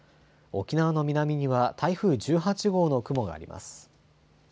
沖縄の南には台風１８号の雲があります。